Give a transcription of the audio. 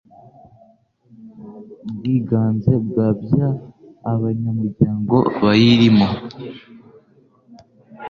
bwiganze bwa by abanyamuryango bayirimo